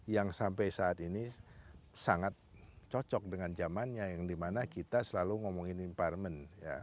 yang sampai saat ini sangat cocok dengan zamannya yang dimana kita selalu ngomongin environment